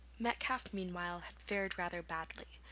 Metcalfe meanwhile had fared rather badly.